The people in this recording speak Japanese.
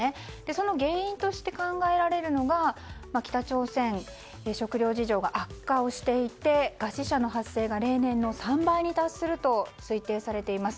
その原因として考えられるのが北朝鮮、食糧事情が悪化していて餓死者の発生が例年の３倍に達すると推定されています。